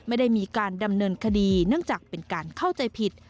ไม่ได้มีการดำเนินคดีเนื่องจากเป็นการเข้าใจผิด